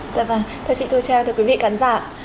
dạ vâng thưa chị tô trang thưa quý vị khán giả